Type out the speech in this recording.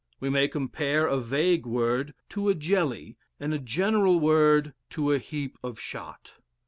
We may compare a vague word to a jelly and a general word to a heap of shot.